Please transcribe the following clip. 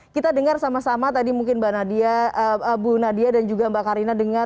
kita dengar sama sama tadi mungkin mbak nadia bu nadia dan juga mbak karina dengar